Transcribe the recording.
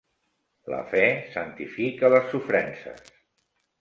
La fe santifica les sofrences.